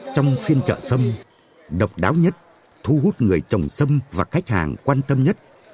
trong phiên chợ sâm độc đáo nhất thu hút người trồng sâm và khách hàng quan tâm nhất